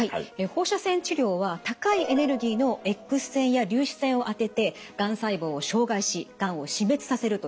放射線治療は高いエネルギーのＸ線や粒子線を当ててがん細胞を傷害しがんを死滅させるという治療法です。